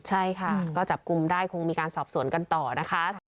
ใช่ค่ะก็จับกลุ่มได้คงมีการสอบสวนกันต่อนะคะ